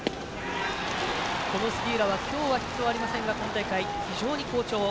この杉浦は今日はヒットありませんが今大会、非常に好調。